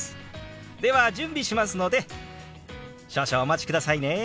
では準備しますので少々お待ちくださいね。